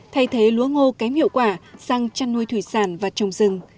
thay thế lúa ngô kém hiệu quả sang chăn nuôi thủy sản và trồng rừng